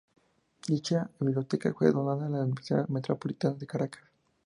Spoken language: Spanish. Dicha biblioteca fue donada a la Universidad Metropolitana de Caracas.